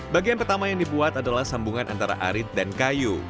bagian pertama yang dibuat adalah sambungan antara arit dan kayu